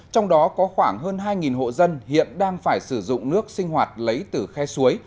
trong đó có khoảng hơn hai hộ dân hiện đang phải sử dụng nước sinh hoạt lấy từ khe suối